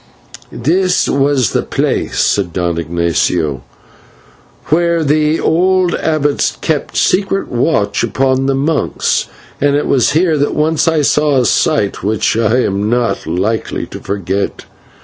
"This was the place," said Don Ignatio, "whence the old abbots kept secret watch upon the monks, and it was here that once I saw a sight which I am not likely to forget."